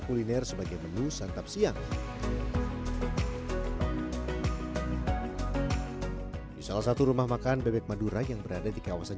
kuliner sebagai menu santap siang di salah satu rumah makan bebek madura yang berada di kawasan